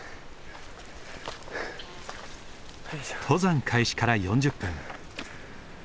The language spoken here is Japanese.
登山開始から４０分。